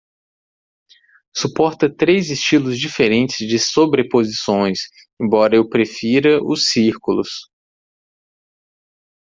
Suporta três estilos diferentes de sobreposições?, embora eu prefira os círculos.